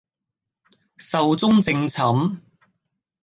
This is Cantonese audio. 壽終正寢